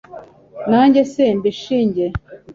nanjye se mbishinge